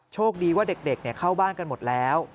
โชคดีว่าเด็กเข้าบ้านกันหมดแล้ว